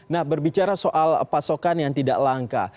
nah berbicara soal pasokan yang tidak langka